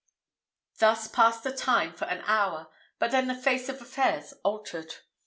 Thus passed the time for an hour; but then the face of affairs altered.